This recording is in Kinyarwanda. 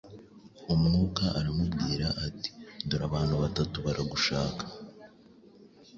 Umwuka aramubwira ati: “Dore, abantu batatu baragushaka